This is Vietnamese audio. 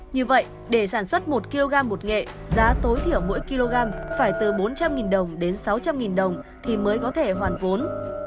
như vậy để sản xuất một kg bột nghệ giá tối thiểu mỗi kg phải từ bốn trăm linh đồng đến sáu trăm linh đồng thì mới có thể hoàn vốn